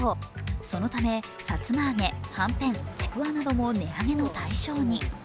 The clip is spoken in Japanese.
そのため、さつま揚げ、はんぺん、ちくわなども値上げの対象に。